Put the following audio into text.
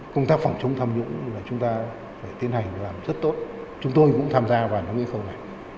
công tác phòng chống tham nhũng là chúng ta phải tiến hành làm rất tốt chúng tôi cũng tham gia vào đồng ý không ạ